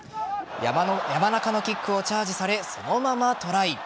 山中のキックをチャージされそのままトライ。